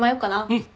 うん。